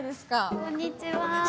こんにちは。